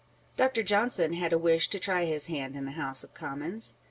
Dr. Johnson had a wish to try his hand in the House of Commons.